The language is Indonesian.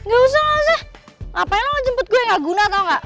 enggak usah ngapain lo ngejemput gue gak guna tau gak